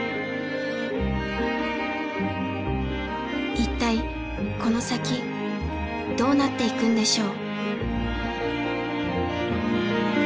一体この先どうなっていくんでしょう。